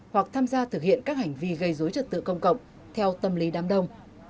hoặc tham gia thực hiện các hành vi gây dối trật tự công cộng theo tâm lý đám đông